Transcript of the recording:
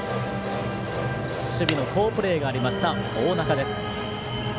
守備の好プレーがありました大仲です。